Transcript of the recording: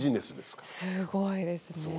すごいですね。